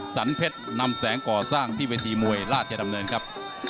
สันเพชรนำแสงก่อสร้างที่เวทีมวยราชดำเนินครับ